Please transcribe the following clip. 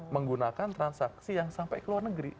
menggunakan transaksi yang sampai ke luar negeri